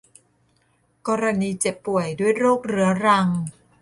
กรณีเจ็บป่วยด้วยโรคเรื้อรัง